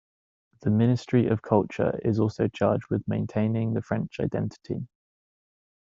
The Ministry of Culture is also charged with maintaining the French identity.